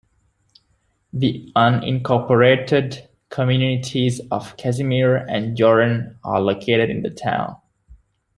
The unincorporated communities of Casimir and Jordan are located in the town.